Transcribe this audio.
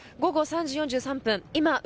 午後３時４３分